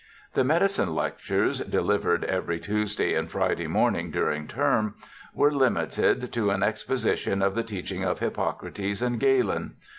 The medicine lectures, delivered every Tuesday and Friday morning during term, were limited to an exposition of the teaching of Hippocrates and Galen.